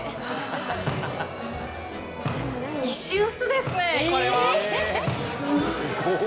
石臼ですね、これは。